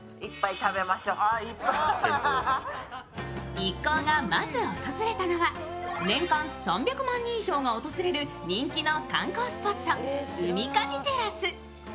一行がまず訪れたのは、年間３００万人以上が訪れる人気の観光スポットウミカジテラス。